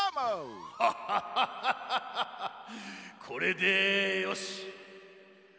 これでよし。